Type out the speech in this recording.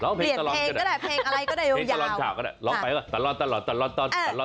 เรียนเพลงก็ได้เพลงอะไรก็ได้โยงยาว